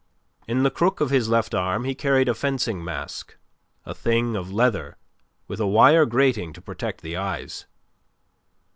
In the crook of his left arm he carried a fencing mask, a thing of leather with a wire grating to protect the eyes.